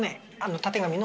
たてがみの。